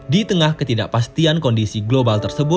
di tengah ketidakpastian global ekonomi global akan berubah